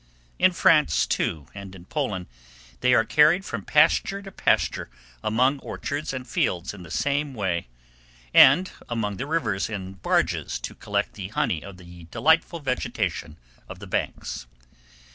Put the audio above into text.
In France, too, and in Poland, they are carried from pasture to pasture among orchards and fields in the same way, and along the rivers in barges to collect the honey of the delightful vegetation of the banks.